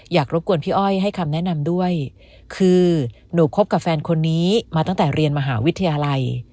รบกวนพี่อ้อยให้คำแนะนำด้วยคือหนูคบกับแฟนคนนี้มาตั้งแต่เรียนมหาวิทยาลัย